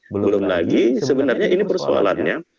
belum lagi sebenarnya ini persoalannya